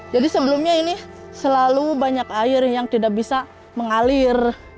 jadi sebelumnya ini selalu banyak air yang tidak bisa mengalir